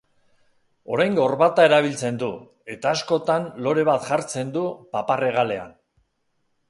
Orain gorbata erabiltzen du, eta askotan lore bat jartzen du papar-hegalean.